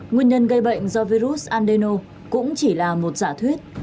nguyên nhân gây bệnh do virus andeno cũng chỉ là một giả thuyết